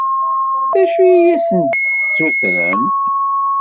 D acu i asen-d-tessutremt?